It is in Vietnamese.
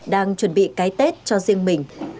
đang chuẩn bị cái tết cho riêng mình